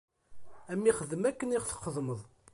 Ad am-ixdem akken i aɣ-txedmeḍ!